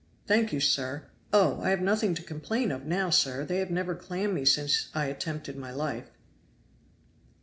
"Thank you, sir. Oh! I have nothing to complain of now, sir; they have never clammed me since I attempted my life."